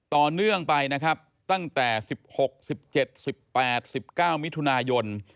ต่อเนื่องไปนะครับตั้งแต่๑๖๑๗๑๘๑๙มิถุนายน